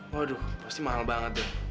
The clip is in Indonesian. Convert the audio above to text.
waduh pasti mahal banget tuh